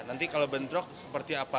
nanti kalau bentrok seperti apa